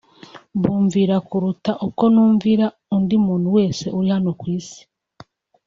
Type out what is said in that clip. mbumvira kuruta uko numvira undi muntu wese uri hano ku isi